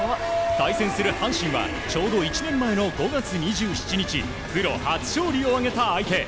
対戦する阪神はちょうど１年前の５月２７日プロ初勝利を挙げた相手。